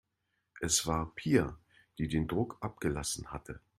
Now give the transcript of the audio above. Es war Pia, die den Druck abgelassen hatte.